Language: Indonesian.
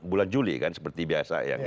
bulan juli kan seperti biasa